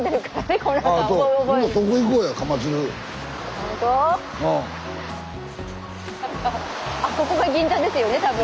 釜鶴はここが銀座ですよね多分。